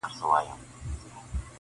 زړه ته نیژدې دی او زوی د تره دی -